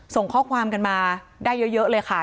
ส่งข้อความกันมาได้เยอะเลยค่ะ